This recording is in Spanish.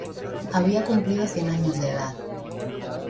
Había cumplido cien años de edad.